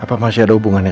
apa masih ada hubungannya